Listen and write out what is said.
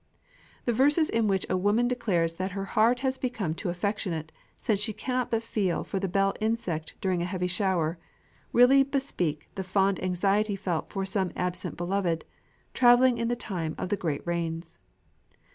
The verses in which a woman declares that her heart has become too affectionate, since she cannot but feel for the bell insect during a heavy shower, really bespeak the fond anxiety felt for some absent beloved, travelling in the time of the great rains.